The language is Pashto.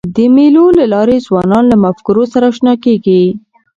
د مېلو له لاري ځوانان له مفکورو سره اشنا کېږي.